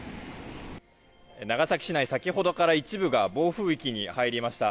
長崎市内先ほどから一部が暴風域に入りました。